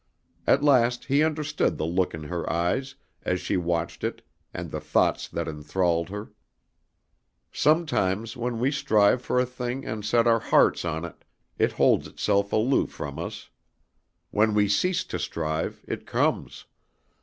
At last he understood the look in her eyes as she watched it and the thoughts that enthralled her. Sometimes when we strive for a thing and set our hearts on it, it holds itself aloof from us. When we cease to strive, it comes.